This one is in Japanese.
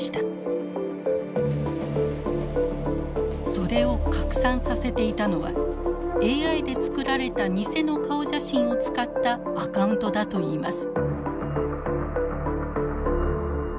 それを拡散させていたのはＡＩでつくられた偽の顔写真を使ったアカウントだといいます。